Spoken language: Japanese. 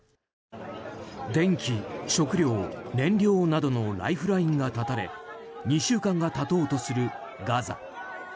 電気・食料・燃料などのライフラインが断たれ２週間が経とうとするガザ。